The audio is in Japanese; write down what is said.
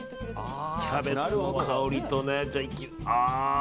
キャベツの香りとね。